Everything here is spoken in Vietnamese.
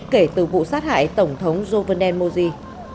kể từ vụ sát hại tổng thống jovenel mozy